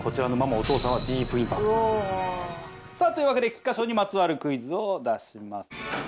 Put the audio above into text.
うおーさあというわけで菊花賞にまつわるクイズを出します